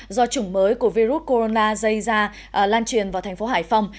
do chủng mới của virus corona dây ra lan truyền vào thành phố hải phòng